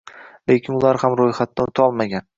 Lekin ular ham ro'yxatdan o'tolmagan